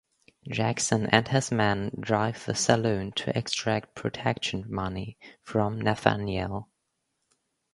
Jackson and his men drive the saloon to extract protection money from Nathaniel.